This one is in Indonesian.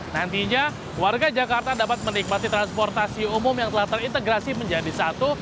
nantinya warga jakarta dapat menikmati transportasi umum yang telah terintegrasi menjadi satu